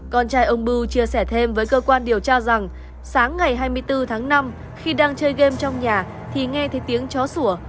con trai ông bưu chia sẻ thêm với cơ quan điều tra rằng sáng ngày hai mươi bốn tháng năm khi đang chơi game trong nhà thì nghe thấy tiếng chó sủa